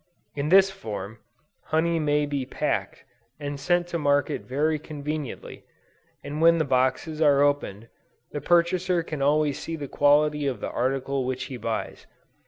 In this form, honey may be packed, and sent to market very conveniently: and when the boxes are opened, the purchaser can always see the quality of the article which he buys.